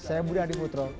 saya budi hadi putro